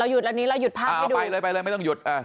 หยุดอันนี้เราหยุดภาพให้ดูไปเลยไปเลยไม่ต้องหยุด